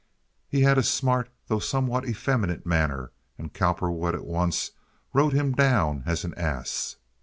He had a smart though somewhat effeminate manner, and Cowperwood at once wrote him down as an ass.